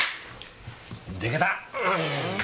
でけた。